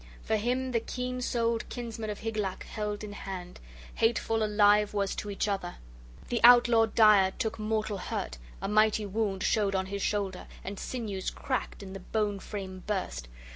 For him the keen souled kinsman of Hygelac held in hand; hateful alive was each to other. The outlaw dire took mortal hurt; a mighty wound showed on his shoulder, and sinews cracked, and the bone frame burst.